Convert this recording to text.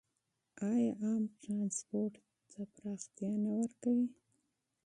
آیا عام ټرانسپورټ ته پراختیا نه ورکوي؟